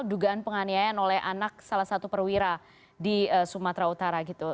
dugaan penganiayaan oleh anak salah satu perwira di sumatera utara gitu